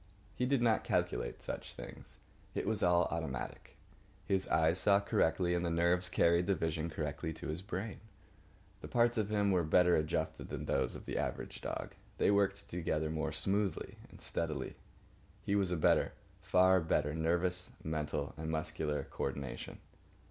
He did not calculate such things. It was all automatic. His eyes saw correctly, and the nerves carried the vision correctly to his brain. The parts of him were better adjusted than those of the average dog. They worked together more smoothly and steadily. His was a better, far better, nervous, mental, and muscular co ordination.